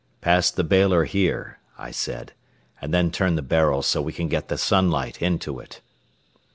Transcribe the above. "Pass the bailer here," I said; "and then turn the barrel so we can get the sunlight into it."